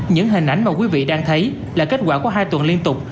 những hình ảnh mà quý vị đang thấy là kết quả của hai tuần liên tục